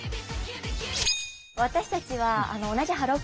私たちは同じハロー！